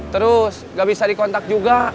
terus gak bisa dikontak juga